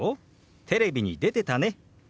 「テレビに出てたね」。